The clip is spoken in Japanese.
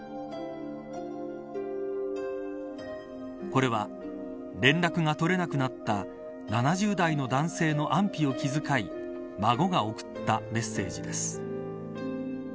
これは、連絡が取れなくなった７０代の男性の安否を気遣い孫が送ったメッセージです。